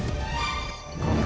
merempus alat kesadaranmu